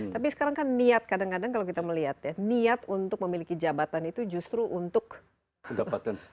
tapi sekarang kan niat kadang kadang kalau kita melihat ya niat untuk memiliki jabatan itu justru untuk mendapatkan